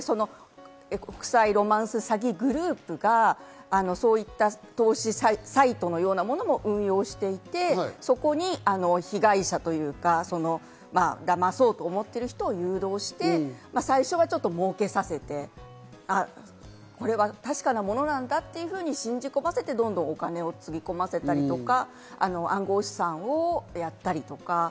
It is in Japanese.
推測になりますが、よく聞く手口としては国際ロマンス詐欺グループがそういった投資サイトのようなものを運用していて、そこに被害者というか、騙そうと思っている人を誘導して、最初は儲けさせてこれは確かなものなんだというふうに信じ込ませて、どんどんお金をつぎ込ませたりとか、暗号資産をやったりとか。